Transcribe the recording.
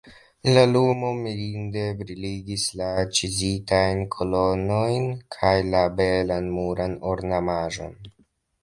La lumo mirinde briligis la ĉizitajn kolonojn kaj la belan muran ornamaĵon.